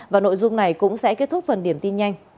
và nội dung này cũng sẽ kết thúc phần điểm tin nhanh